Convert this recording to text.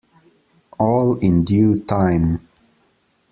All in due time.